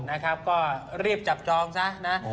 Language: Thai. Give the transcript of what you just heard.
นะครับก็รีบจับจองซะนะ